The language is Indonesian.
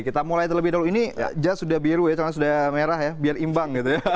kita mulai terlebih dahulu ini jas sudah biru ya jangan sudah merah ya biar imbang gitu ya